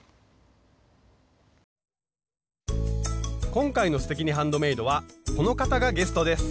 今回の「すてきにハンドメイド」はこの方がゲストです。